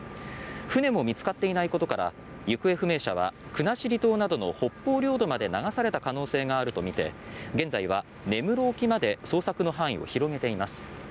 船も見つかっていないことから行方不明者は国後島などの北方領土まで流された可能性があるとみて現在は根室沖まで捜索の範囲を広げています。